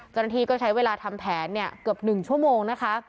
เจ้าหน้าที่ก็ใช้เวลาทำแผนเกือบ๑ชั่วโมงนะคะ